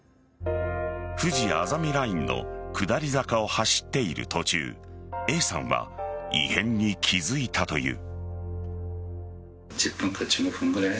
ふじあざみラインの下り坂を走っている途中Ａさんは異変に気づいたという。